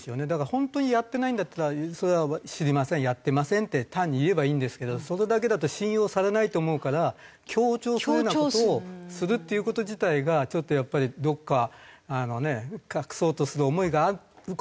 本当にやってないんだったら「それは知りませんやってません」って単に言えばいいんですけどそれだけだと信用されないと思うから強調するような事をするっていう事自体がちょっとやっぱりどこか隠そうとする思いがある事が多いと思った。